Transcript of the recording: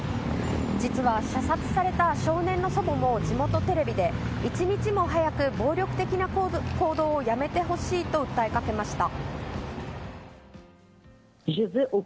実は、射殺された少年の祖母も地元テレビで一日も早く暴力的な行動をやめてほしいと訴えかけました。